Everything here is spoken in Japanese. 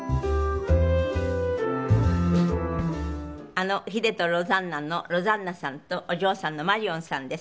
あのヒデとロザンナのロザンナさんとお嬢さんの万梨音さんです。